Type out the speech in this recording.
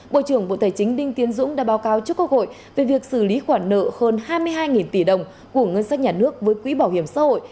bộ trưởng bộ tài chính đinh tiến dũng đã báo cáo trước quốc hội về việc xử lý khoản nợ hơn hai mươi hai tỷ đồng của ngân sách nhà nước với quỹ bảo hiểm xã hội